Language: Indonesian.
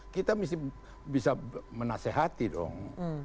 kita mesti bisa menasehati dong